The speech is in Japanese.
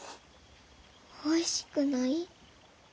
おいしくない？